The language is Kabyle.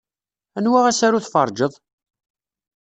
Anwa asaru tferrjeḍ?